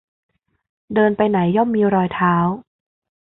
เดินไปไหนย่อมมีรอยเท้า